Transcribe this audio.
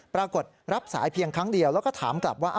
ปรากฏรับสายเพียงครั้งเดียวแล้วก็ถามกลับว่า